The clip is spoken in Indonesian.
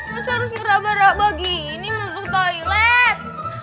masa harus ngerabah rabah gini masuk toilet